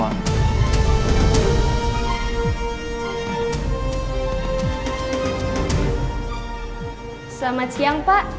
selamat siang pak